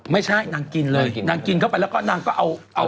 ไม่ใช่นางกินเลยนางกินเข้าไปแล้วก็นางก็เอา